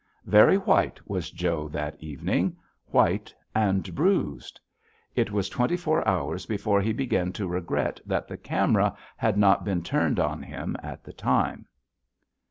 Very white was Joe that evening, white and bruised. It was twenty four hours before he began to regret that the camera had not been turned on him at the time.